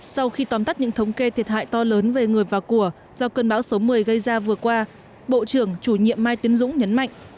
sau khi tóm tắt những thống kê thiệt hại to lớn về người và của do cơn bão số một mươi gây ra vừa qua bộ trưởng chủ nhiệm mai tiến dũng nhấn mạnh